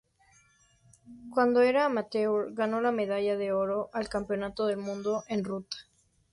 Cuando era amateur ganó la medalla de oro al Campeonato del Mundo en ruta